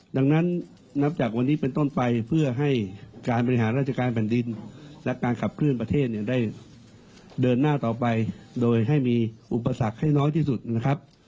ดังนั้นนับจากวันนี้เป็นต้นไปเพื่อให้การบริหารราชการแผ่นดินและการขับเคลื่อนประเทศเนี่ยได้เดินหน้าต่อไปโดยให้มีอุปสรรคให้น้อยที่สุดนะครับ